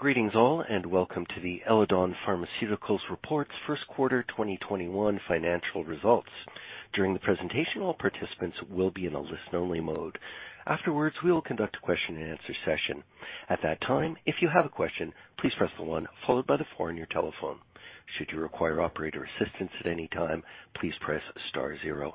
Greetings all, and welcome to the Eledon Pharmaceuticals reports first quarter 2021 financial results. During the presentation, all participants will be in a listen-only mode. Afterwards, we will conduct a question-and-answer session. At that time, if you have a question, please press the one followed by the four on your telephone. Should you require operator assistance at any time, please press star zero.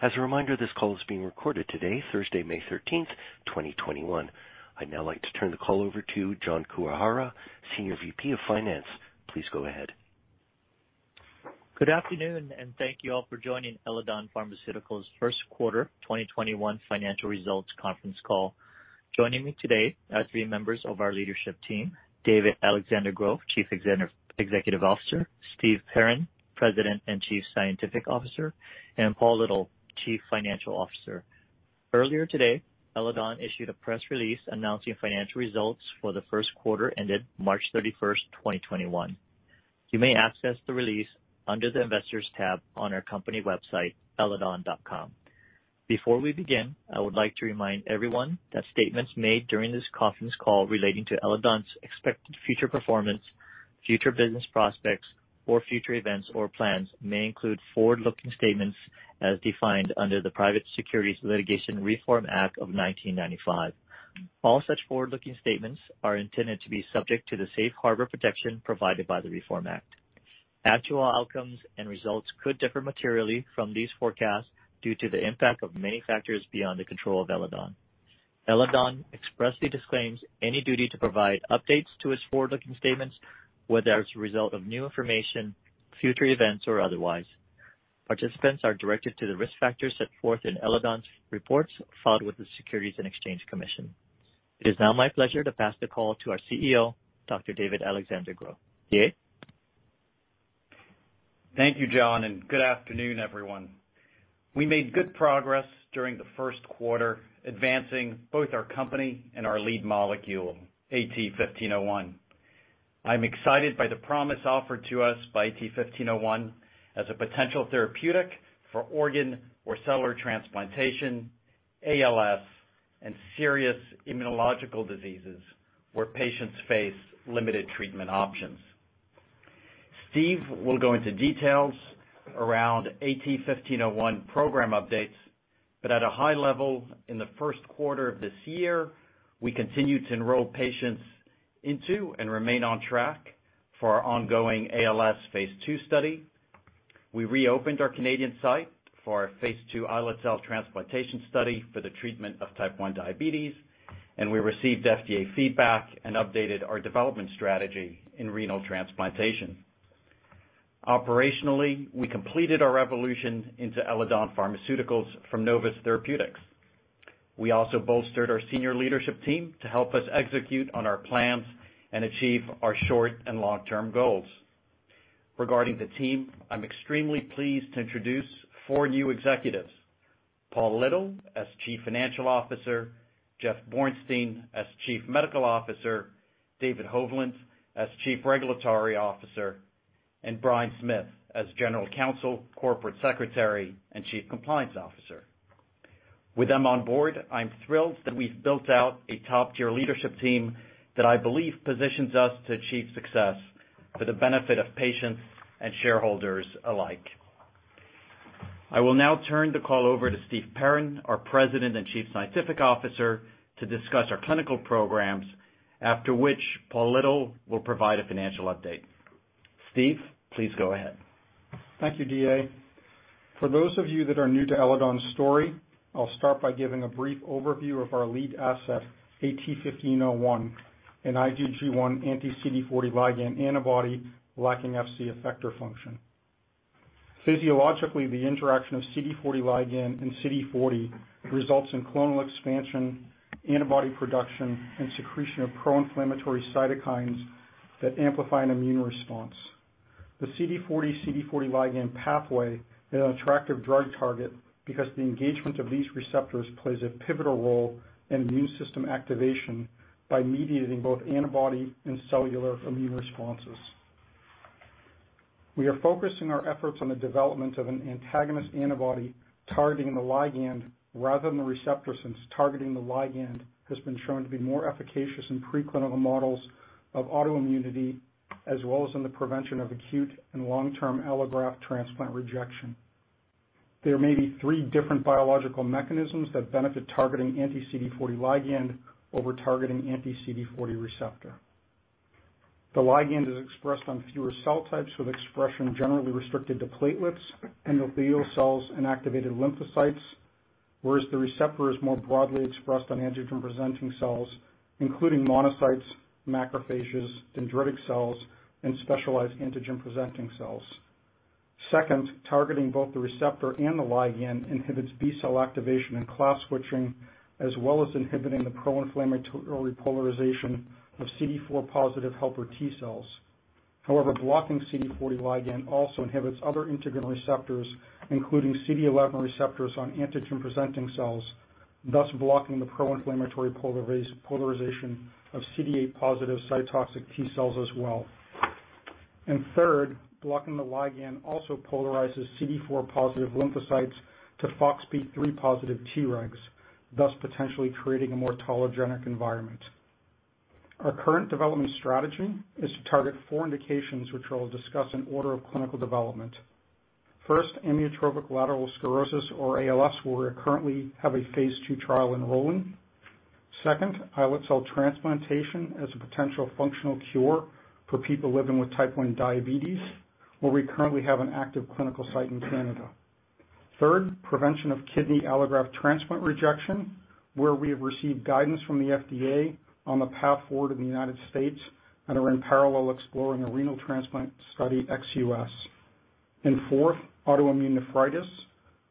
As a reminder, this call is being recorded today, Thursday, May 13th, 2021. I'd now like to turn the call over to Jon Kuwahara, Senior VP of Finance. Please go ahead. Good afternoon, and thank you all for joining Eledon Pharmaceuticals' first quarter 2021 financial results conference call. Joining me today are three members of our leadership team, David-Alexandre Gros, Chief Executive Officer, Steve Perrin, President and Chief Scientific Officer, and Paul Little, Chief Financial Officer. Earlier today, Eledon issued a press release announcing financial results for the first quarter ended March 31st 2021. You may access the release under the Investors tab on our company website, eledon.com. Before we begin, I would like to remind everyone that statements made during this conference call relating to Eledon's expected future performance, future business prospects, or future events or plans may include forward-looking statements as defined under the Private Securities Litigation Reform Act of 1995. All such forward-looking statements are intended to be subject to the safe harbor protection provided by the Reform Act. Actual outcomes and results could differ materially from these forecasts due to the impact of many factors beyond the control of Eledon. Eledon expressly disclaims any duty to provide updates to its forward-looking statements, whether as a result of new information, future events, or otherwise. Participants are directed to the risk factors set forth in Eledon's reports filed with the Securities and Exchange Commission. It is now my pleasure to pass the call to our CEO, Dr. David-Alexandre Gros. D.A.? Thank you, Jon, and good afternoon, everyone. We made good progress during the first quarter, advancing both our company and our lead molecule, AT-1501. I'm excited by the promise offered to us by AT-1501 as a potential therapeutic for organ or cellular transplantation, ALS, and serious immunological diseases where patients face limited treatment options. Steve will go into details around AT-1501 program updates. At a high level, in the first quarter of this year, we continued to enroll patients into and remain on track for our ongoing ALS phase II study. We reopened our Canadian site for our phase II islet cell transplantation study for the treatment of Type 1 diabetes, and we received FDA feedback and updated our development strategy in renal transplantation. Operationally, we completed our evolution into Eledon Pharmaceuticals from Novus Therapeutics. We also bolstered our senior leadership team to help us execute on our plans and achieve our short and long-term goals. Regarding the team, I'm extremely pleased to introduce four new executives, Paul Little as Chief Financial Officer, Jeff Bornstein as Chief Medical Officer, David Hovland as Chief Regulatory Officer, and Bryan Smith as General Counsel, Corporate Secretary, and Chief Compliance Officer. With them on board, I'm thrilled that we've built out a top-tier leadership team that I believe positions us to achieve success for the benefit of patients and shareholders alike. I will now turn the call over to Steve Perrin, our President and Chief Scientific Officer, to discuss our clinical programs, after which Paul Little will provide a financial update. Steve, please go ahead. Thank you, D.A. For those of you that are new to Eledon's story, I'll start by giving a brief overview of our lead asset, AT-1501, an IgG1 anti-CD40 Ligand antibody lacking Fc effector function. Physiologically, the interaction of CD40 Ligand and CD40 results in clonal expansion, antibody production, and secretion of pro-inflammatory cytokines that amplify an immune response. The CD40/CD40 Ligand pathway is an attractive drug target because the engagement of these receptors plays a pivotal role in immune system activation by mediating both antibody and cellular immune responses. We are focusing our efforts on the development of an antagonist antibody targeting the Ligand rather than the receptor, since targeting the Ligand has been shown to be more efficacious in preclinical models of autoimmunity, as well as in the prevention of acute and long-term allograft transplant rejection. There may be three different biological mechanisms that benefit targeting anti-CD40 Ligand over targeting anti-CD40 receptor. The Ligand is expressed on fewer cell types, with expression generally restricted to platelets, endothelial cells, and activated lymphocytes, whereas the receptor is more broadly expressed on antigen-presenting cells, including monocytes, macrophages, dendritic cells, and specialized antigen-presenting cells. Second, targeting both the receptor and the Ligand inhibits B cell activation and class switching, as well as inhibiting the pro-inflammatory polarization of CD4 positive helper T cells. However, blocking CD40 Ligand also inhibits other integrin receptors, including CD11 receptors on antigen-presenting cells, thus blocking the pro-inflammatory polarization of CD8 positive cytotoxic T cells as well. Third, blocking the Ligand also polarizes CD4 positive lymphocytes to FoxP3 positive Tregs, thus potentially creating a more tolerogenic environment. Our current development strategy is to target four indications, which I'll discuss in order of clinical development. First, amyotrophic lateral sclerosis, or ALS, where we currently have a phase II trial enrolling. Second, islet cell transplantation as a potential functional cure for people living with Type 1 diabetes, where we currently have an active clinical site in Canada. Third, prevention of kidney allograft transplant rejection, where we have received guidance from the FDA on the path forward in the U.S. and are in parallel exploring a renal transplant study ex-U.S. Fourth, autoimmune nephritis,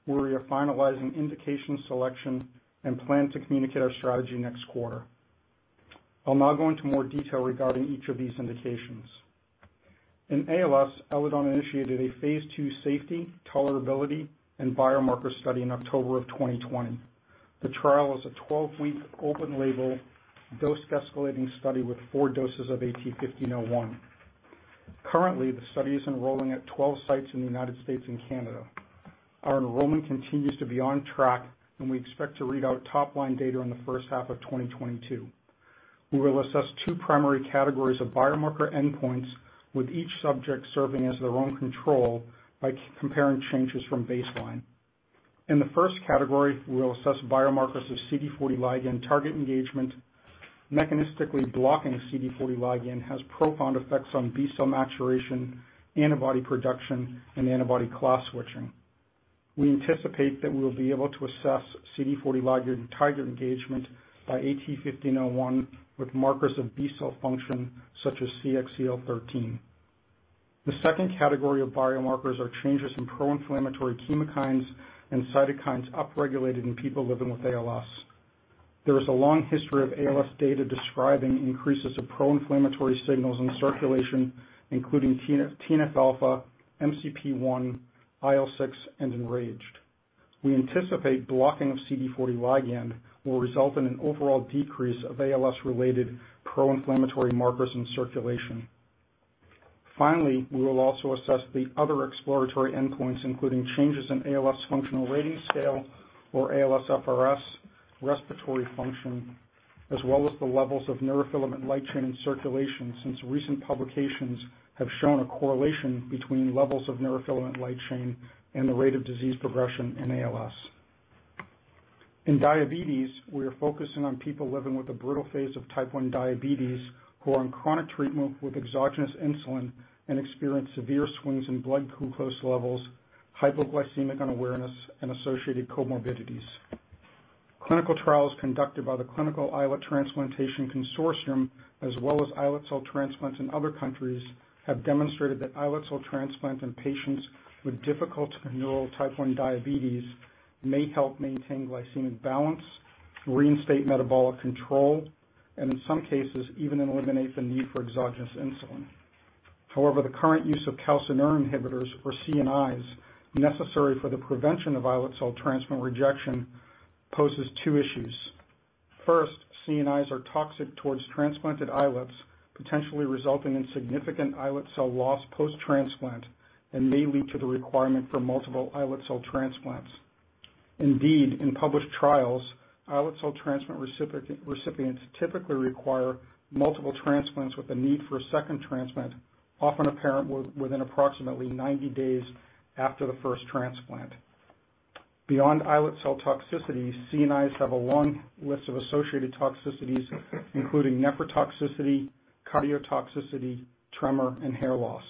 where we are finalizing indication selection and plan to communicate our strategy next quarter. I'll now go into more detail regarding each of these indications. In ALS, Eledon initiated a phase II safety, tolerability, and biomarker study in October of 2020. The trial is a 12-week, open-label, dose-escalating study with four doses of AT-1501. Currently, the study is enrolling at 12 sites in the United States and Canada. Our enrollment continues to be on track. We expect to read out top-line data in the first half of 2022. We will assess two primary categories of biomarker endpoints, with each subject serving as their own control by comparing changes from baseline. In the first category, we will assess biomarkers of CD40 Ligand target engagement. Mechanistically blocking CD40 Ligand has profound effects on B cell maturation, antibody production, and antibody class switching. We anticipate that we will be able to assess CD40 Ligand target engagement by AT-1501 with markers of B cell function, such as CXCL13. The second category of biomarkers are changes in pro-inflammatory chemokines and cytokines upregulated in people living with ALS. There is a long history of ALS data describing increases of pro-inflammatory signals in circulation, including TNF-α, MCP1, IL-6, and EN-RAGE. We anticipate blocking of CD40 Ligand will result in an overall decrease of ALS-related pro-inflammatory markers in circulation. We will also assess the other exploratory endpoints, including changes in ALS Functional Rating Scale, or ALSFRS, respiratory function, as well as the levels of neurofilament light chain in circulation, since recent publications have shown a correlation between levels of neurofilament light chain and the rate of disease progression in ALS. In diabetes, we are focusing on people living with the brittle phase of Type 1 diabetes who are on chronic treatment with exogenous insulin and experience severe swings in blood glucose levels, hypoglycemic unawareness, and associated comorbidities. Clinical trials conducted by the Clinical Islet Transplantation Consortium, as well as islet cell transplants in other countries, have demonstrated that islet cell transplant in patients with difficult to control Type 1 diabetes may help maintain glycemic balance, reinstate metabolic control, and in some cases, even eliminate the need for exogenous insulin. The current use of calcineurin inhibitors, or CNIs, necessary for the prevention of islet cell transplant rejection poses two issues. First, CNIs are toxic towards transplanted islets, potentially resulting in significant islet cell loss post-transplant and may lead to the requirement for multiple islet cell transplants. Indeed, in published trials, islet cell transplant recipients typically require multiple transplants, with a need for a second transplant often apparent within approximately 90 days after the first transplant. Beyond islet cell toxicity, CNIs have a long list of associated toxicities, including nephrotoxicity, cardiotoxicity, tremor, and hair loss.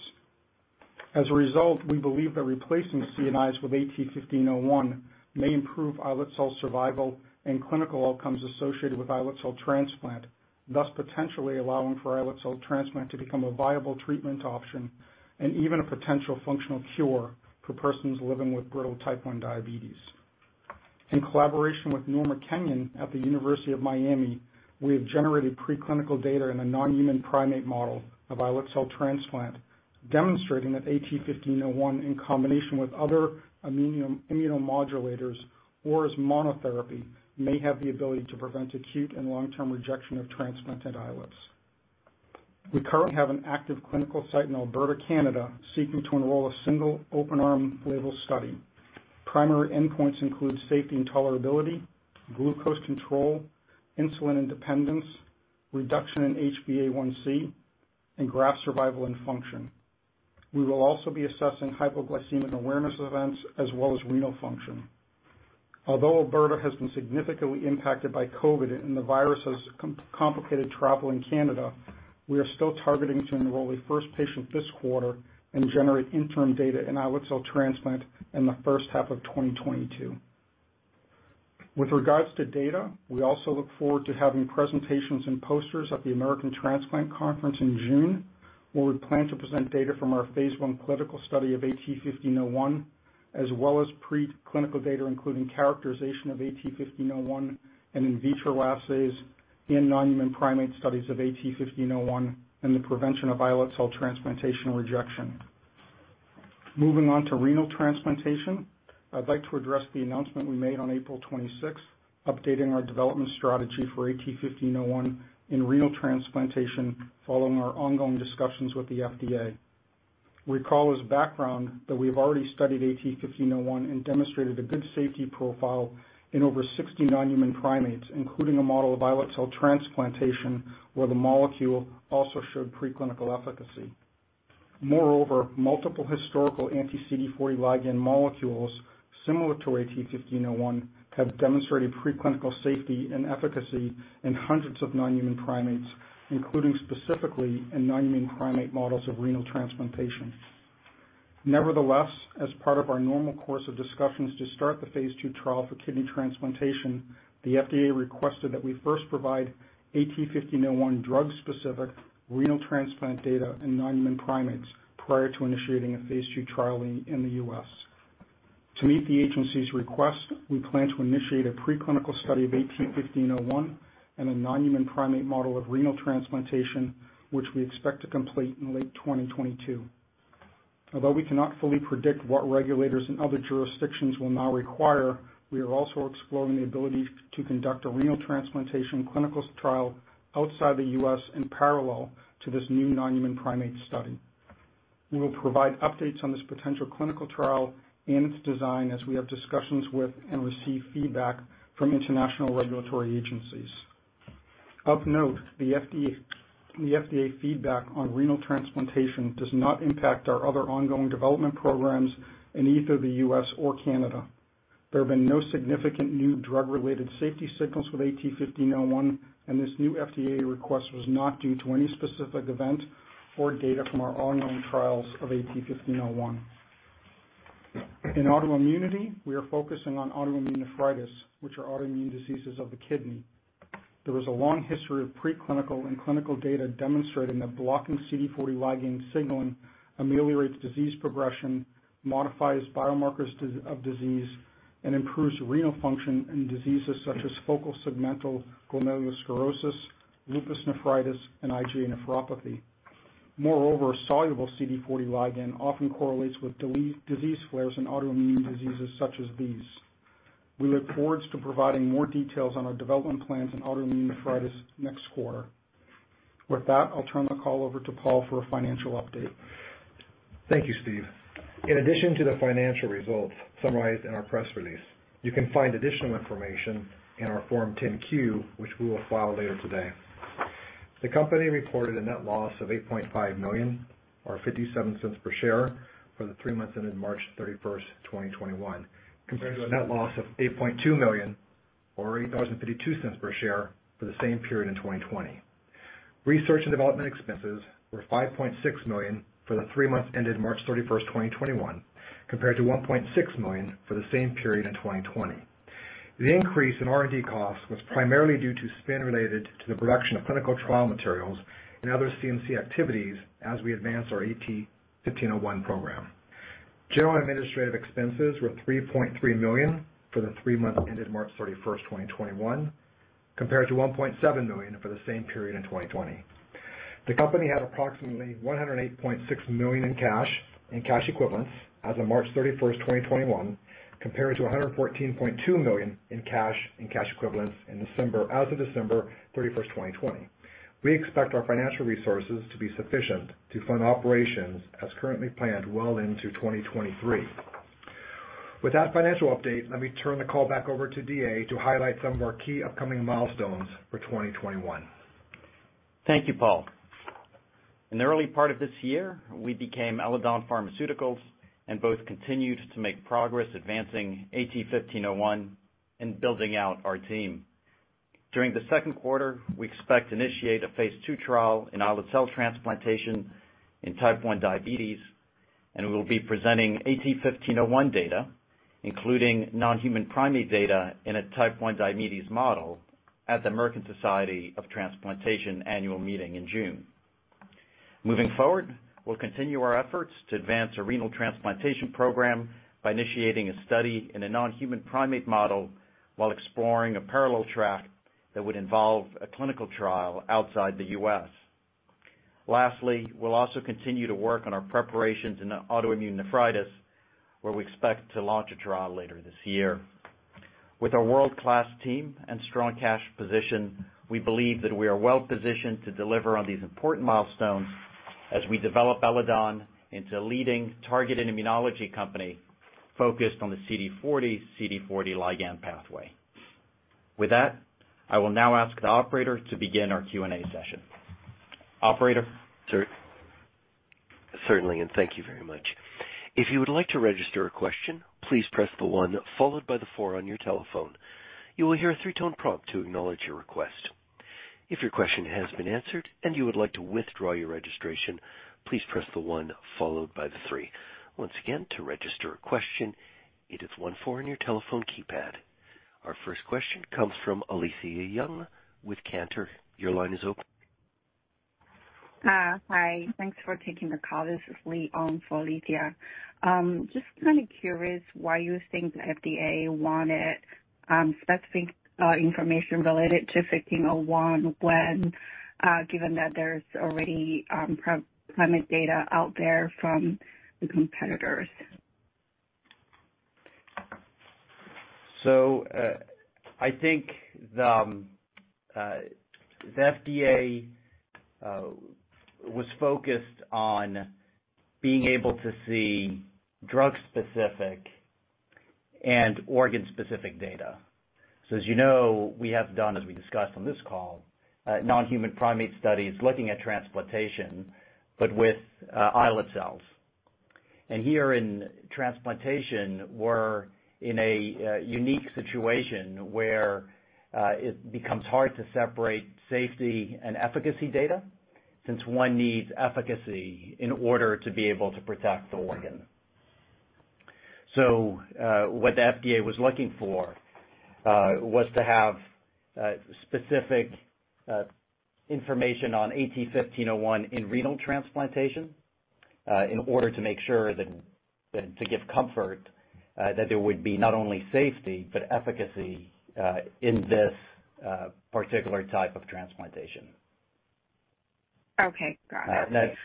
As a result, we believe that replacing CNIs with AT-1501 may improve islet cell survival and clinical outcomes associated with islet cell transplant, thus potentially allowing for islet cell transplant to become a viable treatment option and even a potential functional cure for persons living with brittle Type 1 diabetes. In collaboration with Norma Kenyon at the University of Miami, we have generated preclinical data in a non-human primate model of islet cell transplant, demonstrating that AT-1501, in combination with other immunomodulators or as monotherapy, may have the ability to prevent acute and long-term rejection of transplanted islets. We currently have an active clinical site in Alberta, Canada, seeking to enroll a single open-arm label study. Primary endpoints include safety and tolerability, glucose control, insulin independence, reduction in HbA1c, and graft survival and function. We will also be assessing hypoglycemic awareness events as well as renal function. Although Alberta has been significantly impacted by COVID and the virus has complicated travel in Canada, we are still targeting to enroll a first patient this quarter and generate interim data in islet cell transplant in the first half of 2022. With regards to data, we also look forward to having presentations and posters at the American Transplant Congress in June, where we plan to present data from our phase I clinical study of AT-1501, as well as preclinical data, including characterization of AT-1501 and in vitro assays in non-human primate studies of AT-1501 and the prevention of islet cell transplantation rejection. Moving on to renal transplantation. I'd like to address the announcement we made on April 26th, updating our development strategy for AT-1501 in renal transplantation following our ongoing discussions with the FDA. Recall as background, that we've already studied AT-1501 and demonstrated a good safety profile in over 60 non-human primates, including a model of islet cell transplantation, where the molecule also showed preclinical efficacy. Moreover, multiple historical anti-CD40 Ligand molecules similar to AT-1501 have demonstrated preclinical safety and efficacy in hundreds of non-human primates, including specifically in non-human primate models of renal transplantation. Nevertheless, as part of our normal course of discussions to start the phase II trial for kidney transplantation, the FDA requested that we first provide AT-1501 drug-specific renal transplant data in non-human primates prior to initiating a phase II trial in the U.S. To meet the agency's request, we plan to initiate a preclinical study of AT-1501 in a non-human primate model of renal transplantation, which we expect to complete in late 2022. Although we cannot fully predict what regulators in other jurisdictions will now require, we are also exploring the ability to conduct a renal transplantation clinical trial outside the U.S. in parallel to this new non-human primate study. We will provide updates on this potential clinical trial and its design as we have discussions with and receive feedback from international regulatory agencies. Of note, the FDA feedback on renal transplantation does not impact our other ongoing development programs in either the U.S. or Canada. There have been no significant new drug-related safety signals with AT-1501, and this new FDA request was not due to any specific event or data from our ongoing trials of AT-1501. In autoimmunity, we are focusing on autoimmune nephritis, which are autoimmune diseases of the kidney. There is a long history of preclinical and clinical data demonstrating that blocking CD40 Ligand signaling ameliorates disease progression, modifies biomarkers of disease, and improves renal function in diseases such as focal segmental glomerulosclerosis, lupus nephritis, and IgA nephropathy. Moreover, soluble CD40 Ligand often correlates with disease flares in autoimmune diseases such as these. We look forward to providing more details on our development plans in autoimmune nephritis next quarter. With that, I'll turn the call over to Paul for a financial update. Thank you, Steve. In addition to the financial results summarized in our press release, you can find additional information in our Form 10-Q, which we will file later today. The company reported a net loss of $8.5 million or $0.57 per share for the three months ended March 31st, 2021, compared to a net loss of $8.2 million or $0.52 per share for the same period in 2020. Research and development expenses were $5.6 million for the three months ended March 31st, 2021, compared to $1.6 million for the same period in 2020. The increase in R&D costs was primarily due to spend related to the production of clinical trial materials and other CMC activities as we advance our AT-1501 program. General administrative expenses were $3.3 million for the three months ended March 31st, 2021, compared to $1.7 million for the same period in 2020. The company had approximately $108.6 million in cash and cash equivalents as of March 31st, 2021, compared to $114.2 million in cash and cash equivalents as of December 31st, 2020. We expect our financial resources to be sufficient to fund operations as currently planned well into 2023. With that financial update, let me turn the call back over to D.A. to highlight some of our key upcoming milestones for 2021. Thank you, Paul. In the early part of this year, we became Eledon Pharmaceuticals and both continued to make progress advancing AT-1501 and building out our team. During the second quarter, we expect to initiate a phase II trial in islet cell transplantation in Type 1 diabetes, and we will be presenting AT-1501 data, including non-human primate data in a Type 1 diabetes model at the American Society of Transplantation annual meeting in June. Moving forward, we'll continue our efforts to advance a renal transplantation program by initiating a study in a non-human primate model while exploring a parallel track that would involve a clinical trial outside the U.S. Lastly, we'll also continue to work on our preparations in autoimmune nephritis, where we expect to launch a trial later this year. With our world-class team and strong cash position, we believe that we are well-positioned to deliver on these important milestones as we develop Eledon into a leading targeted immunology company focused on the CD40 Ligand pathway. With that, I will now ask the operator to begin our Q&A session. Operator? Certainly, and thank you very much. If you would like to register a question, please press the one followed by the four on your telephone. You will hear a three-tone prompt to acknowledge your request. If your question has been answered and you would like to withdraw your registration, please press the one followed by the three. Once again, to register a question, it is one four on your telephone keypad. Our first question comes from Alethia Young with Cantor. Your line is open. Hi. Thanks for taking the call. This is Li on for Alethia. Just curious why you think the FDA wanted specific information related to AT-1501 given that there's already primate data out there from the competitors? I think the FDA was focused on being able to see drug-specific and organ-specific data. As you know, we have done, as we discussed on this call, non-human primate studies looking at transplantation, but with islet cells. Here in transplantation, we're in a unique situation where it becomes hard to separate safety and efficacy data, since one needs efficacy in order to be able to protect the organ. What the FDA was looking for was to have specific information on AT-1501 in renal transplantation in order to make sure that, to give comfort, that there would be not only safety, but efficacy, in this particular type of transplantation. Okay. Got it.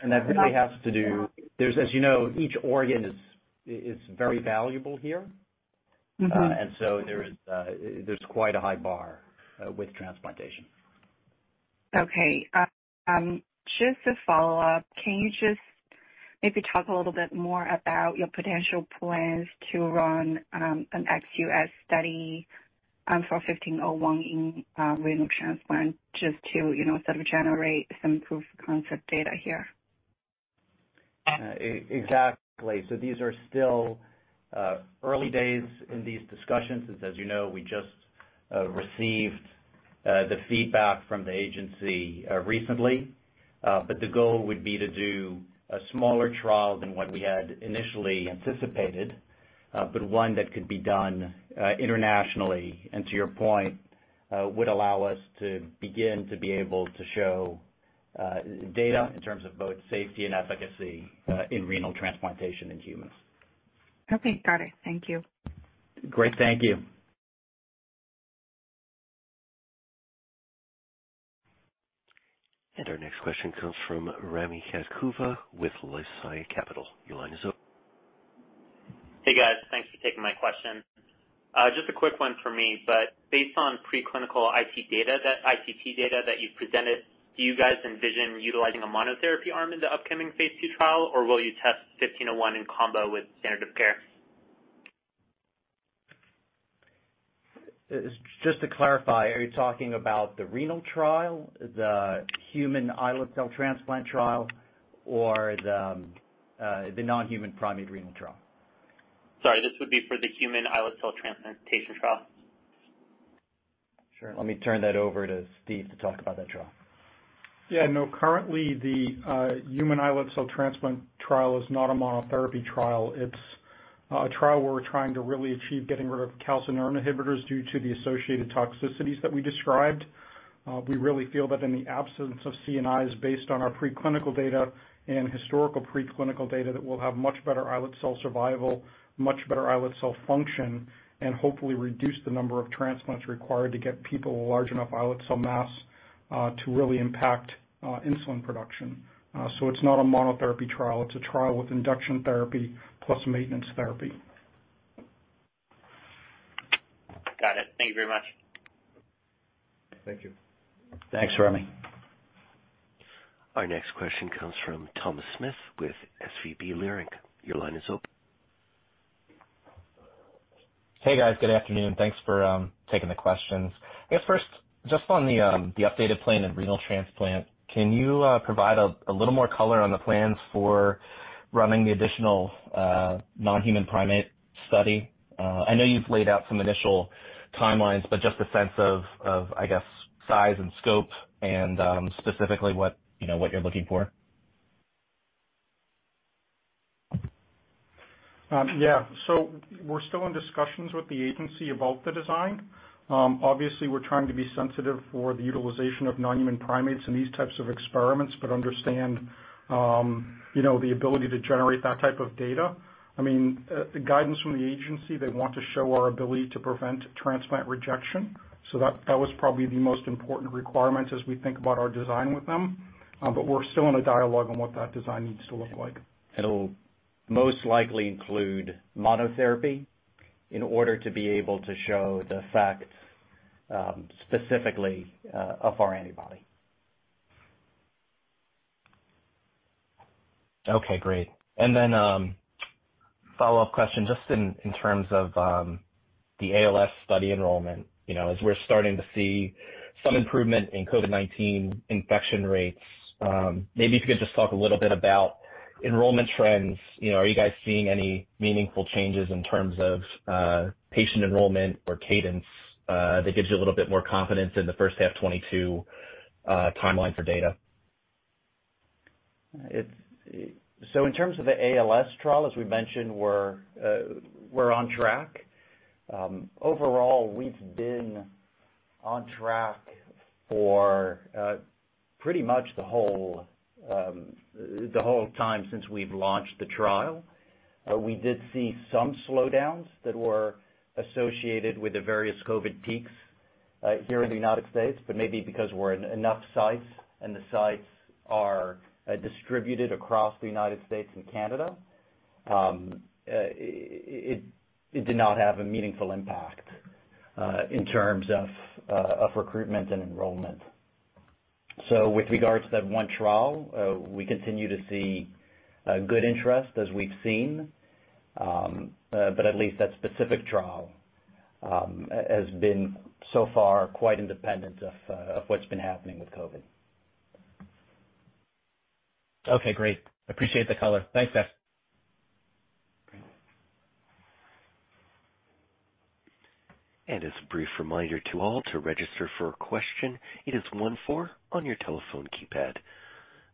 As you know, each organ is very valuable here. There's quite a high bar with transplantation. Okay. Just to follow up, can you just maybe talk a little bit more about your potential plans to run an ex-U.S. study for 1501 in renal transplant, just to sort of generate some proof of concept data here? Exactly. These are still early days in these discussions, since as you know, we just received the feedback from the agency recently. The goal would be to do a smaller trial than what we had initially anticipated, but one that could be done internationally, and to your point, would allow us to begin to be able to show data in terms of both safety and efficacy in renal transplantation in humans. Okay. Got it. Thank you. Great. Thank you. Our next question comes from Rami Katkhuda with LifeSci Capital. Your line is open. Hey, guys. Thanks for taking my question. Just a quick one for me, but based on preclinical ICT data that you've presented, do you guys envision utilizing a monotherapy arm in the upcoming phase II trial, or will you test 1501 in combo with standard of care? Just to clarify, are you talking about the renal trial, the human islet cell transplant trial, or the non-human primate renal trial? Sorry, this would be for the human islet cell transplantation trial. Sure. Let me turn that over to Steve to talk about that trial. Yeah, no, currently the human islet cell transplant trial is not a monotherapy trial. It's a trial where we're trying to really achieve getting rid of calcineurin inhibitors due to the associated toxicities that we described. We really feel that in the absence of CNIs based on our preclinical data and historical preclinical data, that we'll have much better islet cell survival, much better islet cell function, and hopefully reduce the number of transplants required to get people a large enough islet cell mass to really impact insulin production. It's not a monotherapy trial. It's a trial with induction therapy plus maintenance therapy. Got it. Thank you very much. Thank you. Thanks, Rami. Our next question comes from Thomas Smith with SVB Leerink. Your line is open. Hey, guys. Good afternoon. Thanks for taking the questions. I guess first, just on the updated plan of renal transplant, can you provide a little more color on the plans for running the additional non-human primate study? I know you've laid out some initial timelines, but just a sense of, I guess, size and scope and specifically what you're looking for. Yeah. We're still in discussions with the agency about the design. Obviously, we're trying to be sensitive for the utilization of non-human primates in these types of experiments, but understand the ability to generate that type of data. The guidance from the agency, they want to show our ability to prevent transplant rejection. That was probably the most important requirement as we think about our design with them. We're still in a dialogue on what that design needs to look like. It'll most likely include monotherapy in order to be able to show the effect specifically of our antibody. Okay, great. Follow-up question, just in terms of the ALS study enrollment. As we're starting to see some improvement in COVID-19 infection rates, maybe if you could just talk a little bit about enrollment trends. Are you guys seeing any meaningful changes in terms of patient enrollment or cadence that gives you a little bit more confidence in the first half 2022 timeline for data? In terms of the ALS trial, as we mentioned, we're on track. Overall, we've been on track for pretty much the whole time since we've launched the trial. We did see some slowdowns that were associated with the various COVID peaks here in the United States, but maybe because we're in enough sites and the sites are distributed across the United States and Canada, it did not have a meaningful impact in terms of recruitment and enrollment. With regards to that one trial, we continue to see good interest as we've seen, but at least that specific trial has been, so far, quite independent of what's been happening with COVID. Okay, great. Appreciate the color. Thanks, Steve. As a brief reminder to all, to register for a question, it is one four on your telephone keypad.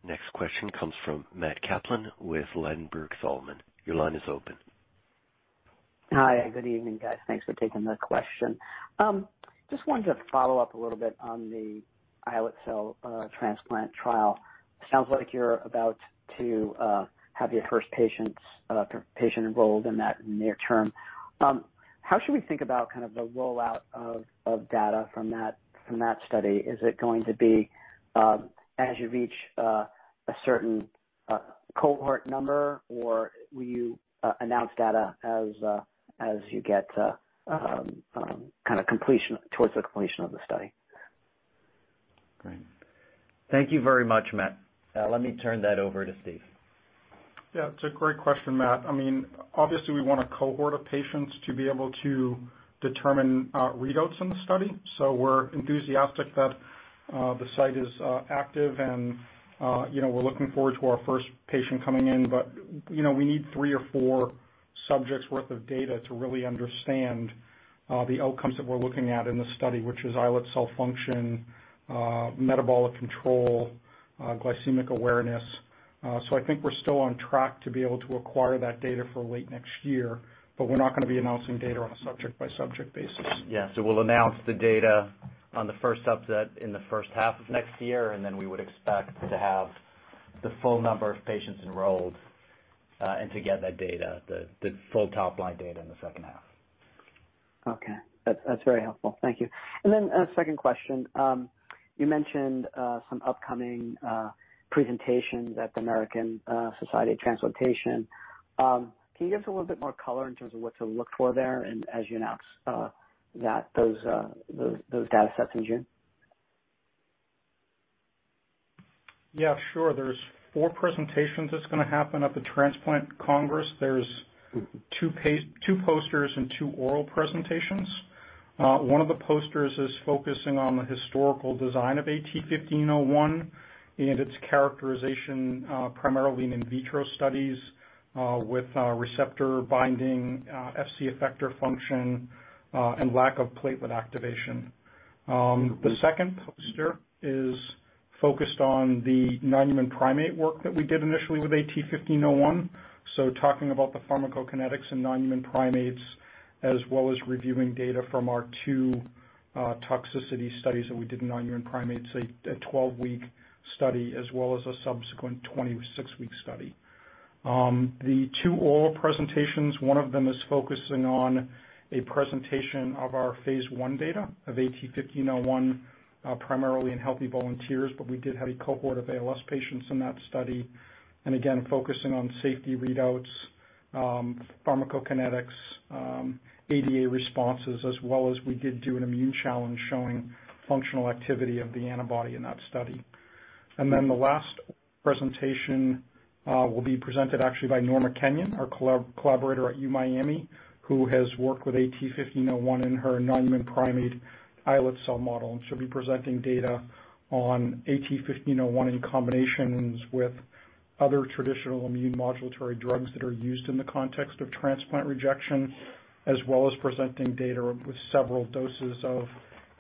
Next question comes from Matt Kaplan with Ladenburg Thalmann. Your line is open. Hi. Good evening, guys. Thanks for taking the question. Just wanted to follow up a little bit on the islet cell transplant trial. Sounds like you're about to have your first patient enrolled in that near term. How should we think about the rollout of data from that study? Is it going to be as you reach a certain cohort number, or will you announce data as you get towards the completion of the study? Great. Thank you very much, Matt. Let me turn that over to Steve. Yeah. It's a great question, Matt. Obviously, we want a cohort of patients to be able to determine readouts in the study. We're enthusiastic that the site is active and we're looking forward to our first patient coming in, but we need three or four subjects worth of data to really understand the outcomes that we're looking at in this study, which is islet cell function, metabolic control, glycemic awareness. I think we're still on track to be able to acquire that data for late next year, but we're not going to be announcing data on a subject-by-subject basis. Yeah. We'll announce the data on the first subset in the first half of next year, and then we would expect to have the full number of patients enrolled, and to get that data, the full top-line data in the second half. Okay. That's very helpful. Thank you. Then a second question. You mentioned some upcoming presentations at the American Society of Transplantation. Can you give us a little bit more color in terms of what to look for there and as you announce those data sets in June? Sure. There's four presentations that's going to happen at the Transplant Congress. There's two posters and two oral presentations. One of the posters is focusing on the historical design of AT-1501 and its characterization primarily in in vitro studies with receptor binding, Fc effector function, and lack of platelet activation. The second poster is focused on the non-human primate work that we did initially with AT-1501, so talking about the pharmacokinetics in non-human primates, as well as reviewing data from our two toxicity studies that we did in non-human primates, a 12-week study as well as a subsequent 26-week study. The two oral presentations, one of them is focusing on a presentation of our phase I data of AT-1501, primarily in healthy volunteers. We did have a cohort of ALS patients in that study. Again, focusing on safety readouts, pharmacokinetics, ADA responses, as well as we did do an immune challenge showing functional activity of the antibody in that study. The last presentation will be presented actually by Norma Kenyon, our collaborator at U Miami, who has worked with AT-1501 in her non-human primate islet cell model, and she'll be presenting data on AT-1501 in combinations with other traditional immune modulatory drugs that are used in the context of transplant rejection, as well as presenting data with several doses of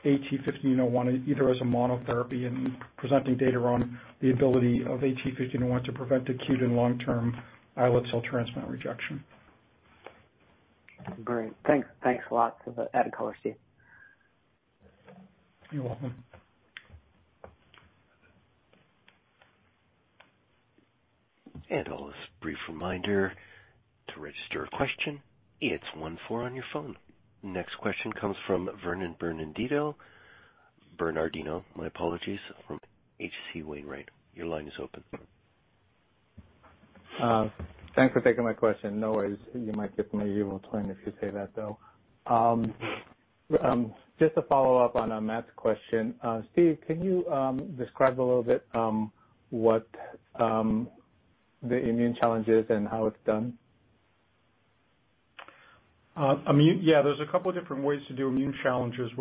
AT-1501, either as a monotherapy and presenting data on the ability of AT-1501 to prevent acute and long-term islet cell transplant rejection. Great. Thanks a lot for the added color, Steve. You're welcome. A brief reminder to register a question, it's one four on your phone. Next question comes from Vernon Bernardino. Bernardino, my apologies, from H.C. Wainwright. Your line is open. Thanks for taking my question. No worries. You might get from me will turn if you say that, though. Just to follow up on Matt's question. Steve, can you describe a little bit what the immune challenge is and how it's done? Yeah. There's a couple different ways to do immune challenges.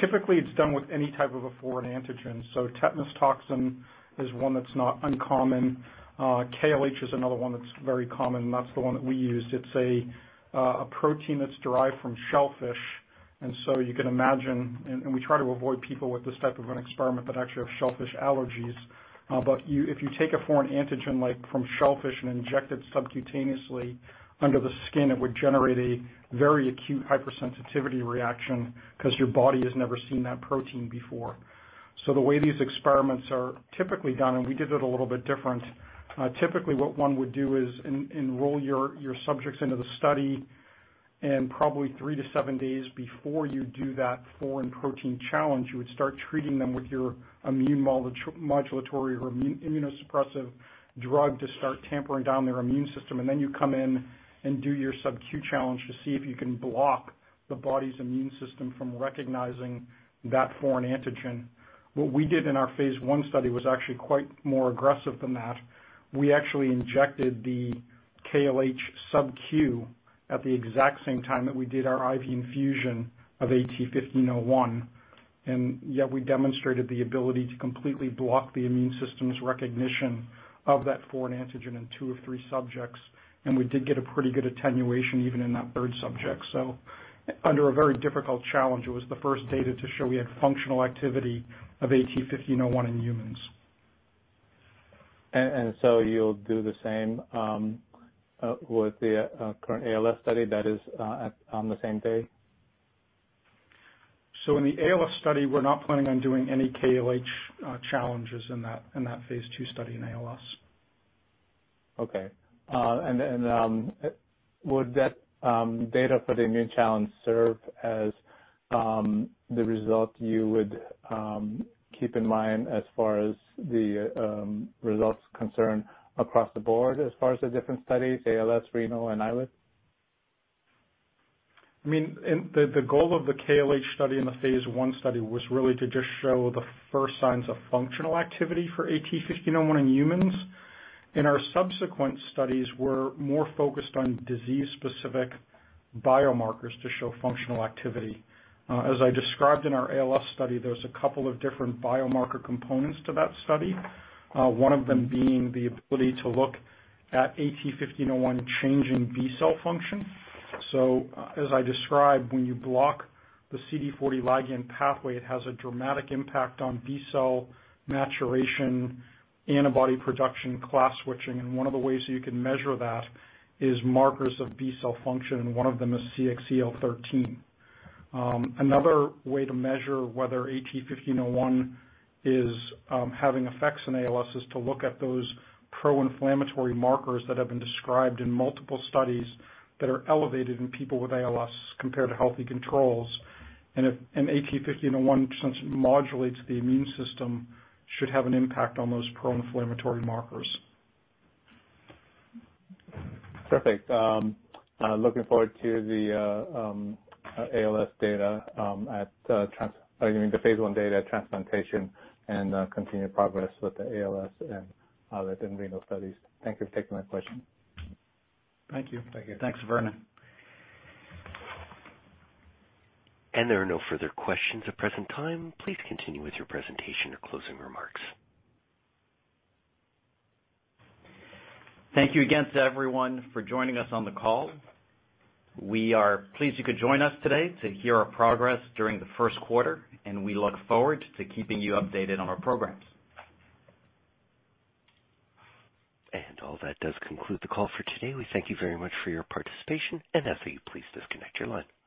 Typically, it's done with any type of a foreign antigen. Tetanus toxin is one that's not uncommon. KLH is another one that's very common. That's the one that we used. It's a protein that's derived from shellfish. You can imagine, and we try to avoid people with this type of an experiment that actually have shellfish allergies. If you take a foreign antigen, like from shellfish, and inject it subcutaneously under the skin, it would generate a very acute hypersensitivity reaction because your body has never seen that protein before. The way these experiments are typically done, and we did it a little bit different. Typically, what one would do is enroll your subjects into the study, and probably three to seven days before you do that foreign protein challenge, you would start treating them with your immune modulatory or immunosuppressive drug to start tamping down their immune system. Then you come in and do your sub-Q challenge to see if you can block the body's immune system from recognizing that foreign antigen. What we did in our phase I study was actually quite more aggressive than that. We actually injected the KLH sub-Q at the exact same time that we did our IV infusion of AT-1501, and yet we demonstrated the ability to completely block the immune system's recognition of that foreign antigen in two of three subjects, and we did get a pretty good attenuation even in that third subject. Under a very difficult challenge, it was the first data to show we had functional activity of AT-1501 in humans. You'll do the same with the current ALS study that is on the same day? In the ALS study, we're not planning on doing any KLH challenges in that phase II study in ALS. Okay. Would that data for the immune challenge serve as the result you would keep in mind as far as the results concern across the board, as far as the different studies, ALS, renal, and islet? The goal of the KLH study and the phase I study was really to just show the first signs of functional activity for AT-1501 in humans. In our subsequent studies, we're more focused on disease-specific biomarkers to show functional activity. As I described in our ALS study, there's a couple of different biomarker components to that study. One of them being the ability to look at AT-1501 changing B cell function. As I described, when you block the CD40 Ligand pathway, it has a dramatic impact on B cell maturation, antibody production, class switching, and one of the ways that you can measure that is markers of B cell function, and one of them is CXCL13. Another way to measure whether AT-1501 is having effects in ALS is to look at those pro-inflammatory markers that have been described in multiple studies that are elevated in people with ALS compared to healthy controls. If an AT-1501, since it modulates the immune system, should have an impact on those pro-inflammatory markers. Perfect. Looking forward to the phase I data transplantation and continued progress with the ALS and other renal studies. Thank you for taking my question. Thank you. Thank you. Thanks, Vernon. There are no further questions at present time. Please continue with your presentation or closing remarks. Thank you again to everyone for joining us on the call. We are pleased you could join us today to hear our progress during the first quarter, and we look forward to keeping you updated on our programs. All that does conclude the call for today. We thank you very much for your participation. As for you, please disconnect your line.